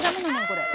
これ。